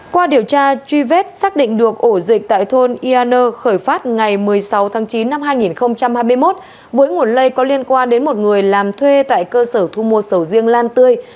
qua điều tra truy vết xác định được ổ dịch tại thôn ianer khởi phát ngày một mươi sáu tháng chín năm hai nghìn hai mươi một với nguồn lây có liên quan đến một người làm thuê tại cơ sở thu mua sầu riêng lan tươi